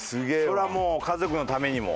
それはもう家族のためにも。